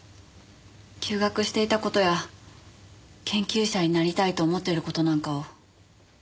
休学していた事や研究者になりたいと思っている事なんかを。